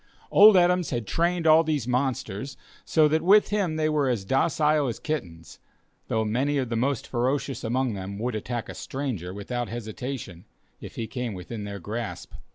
Old Adams had trained all these monsters so that with him they were as docile as kittens, though many of the most ferocious among them would attack a stranger without hesitation, if he came within their grasp.